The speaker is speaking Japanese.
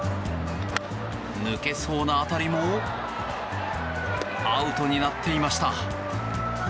抜けそうな当たりもアウトになっていました。